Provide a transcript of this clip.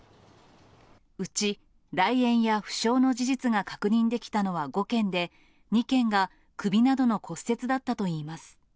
うち来園や負傷の事実が確認できたのは５件で、２件が首などの骨折だったといいます。